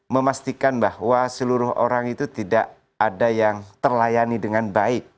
memastikan bahwa seluruh orang itu tidak ada yang terlayani dengan baik